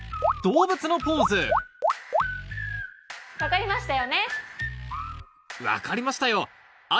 動物のポーズ分かりましたよ